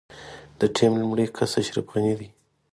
د ټيم لومړی کس اشرف غني دی.